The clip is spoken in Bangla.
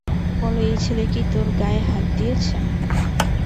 বল এই ছেলে কি তোর গায়ে হাত দিয়েছে?